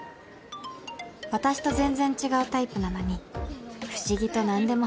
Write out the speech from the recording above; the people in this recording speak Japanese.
私と全然違うタイプなのに不思議となんでも話せるんです